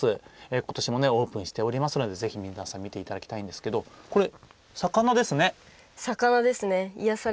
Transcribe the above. ことしもオープンしておりますのでぜひ皆さん見ていただきたいんですけどこれ、魚ですね。